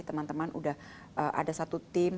teman teman udah ada satu tim